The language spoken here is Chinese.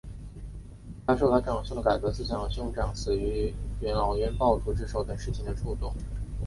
他受他兄长的改革思想和兄长的惨死于元老院暴徒之手等事情的触动。